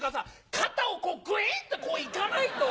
肩をグイって行かないと。